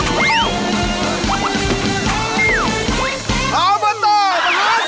ออมเบอร์โตมหาสมุก